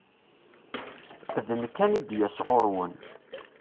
D nekk an id yas ɣur-wen.